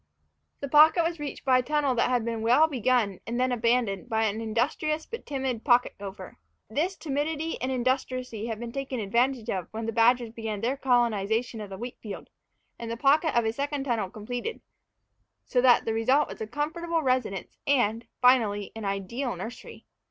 The pocket was reached by a tunnel that had been well begun and then abandoned by an industrious but timid pocket gopher. This timidity and industry had been taken advantage of when the badgers began their colonization of the wheat field, and the pocket and a second tunnel completed; so that the result was a comfortable residence and, finally, an ideal nursery.